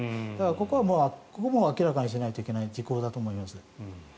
ここはほぼ明らかにしないといけない事項だと思います。